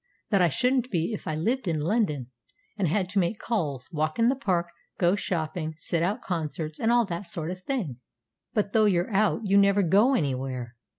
That I shouldn't be if I lived in London, and had to make calls, walk in the Park, go shopping, sit out concerts, and all that sort of thing." "But though you're out, you never go anywhere.